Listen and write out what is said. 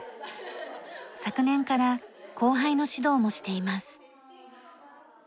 昨年から後輩の指導もしています。